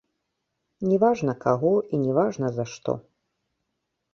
Не важна каго і не важна за што.